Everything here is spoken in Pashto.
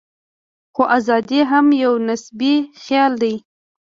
خو ازادي هم یو نسبي خیال دی.